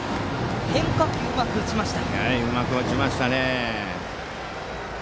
変化球をうまく打ちました。